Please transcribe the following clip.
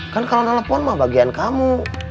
kan kalau nelfon mah bagian kamu